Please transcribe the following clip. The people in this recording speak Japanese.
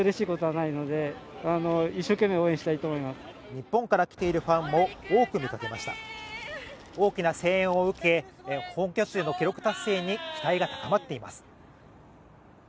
日本から来ているファンも多く見かけました大きな声援を受け今月末の記録達成に期待が高まっています